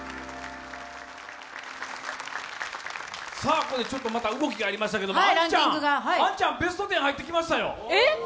ここでちょっとまた動きがありましたけど杏ちゃん、ベスト１０入ってきましたよ。